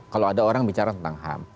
kalau ada orang bicara tentang ham